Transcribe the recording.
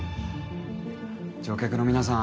乗客の皆さん